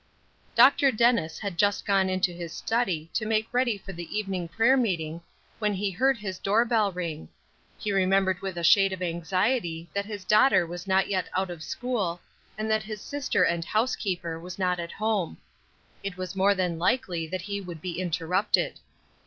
DR. DENNIS had just gone into his study to make ready for the evening prayer meeting, when he heard his door bell ring. He remembered with a shade of anxiety that his daughter was not yet out of school, and that his sister and housekeeper was not at home. It was more than likely that he would be interrupted.